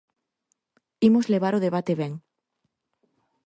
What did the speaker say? Imos levar o debate ben.